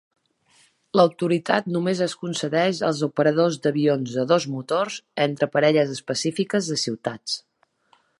L'autoritat només es concedeix als operadors d'avions de dos motors entre parelles específiques de ciutats.